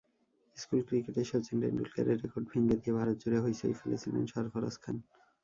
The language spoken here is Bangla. স্কুল ক্রিকেটে শচীন টেন্ডুলকারের রেকর্ড ভেঙে দিয়ে ভারতজুড়ে হইচই ফেলেছিলেন সরফরাজ খান।